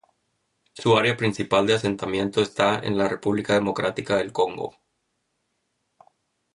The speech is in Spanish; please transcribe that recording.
Su área principal de asentamiento está en la República Democrática del Congo.